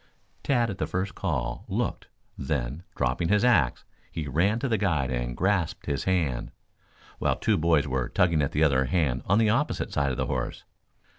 Tad, at the first call, looked; then, dropping his axe, he ran to the guide and grasped his hand, while two boys were tugging at the other hand on the opposite side of the horse.